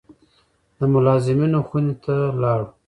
د ملازمینو خونې ته لاړو.